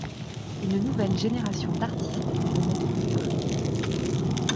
Une nouvelle génération d'artistes venaient de naitre.